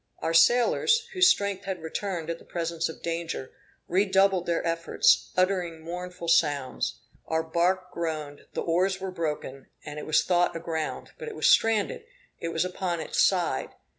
Our sailors, whose strength had returned at the presence of danger, redoubled their efforts, uttering mournful sounds. Our bark groaned, the oars were broken; it was thought aground, but it was stranded; it was upon its side.